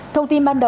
thông tin ban đầu